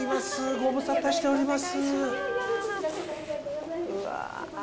ご無沙汰しております